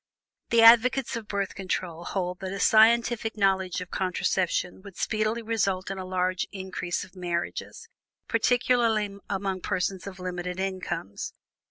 The advocates of Birth Control hold that a scientific knowledge of contraception would speedily result in a large increase of marriages, particularly among persons of limited incomes.